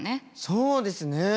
そうですね。